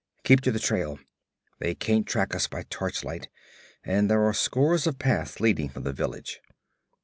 Keep to the trail. They can't track us by torchlight, and there are a score of paths leading from the village.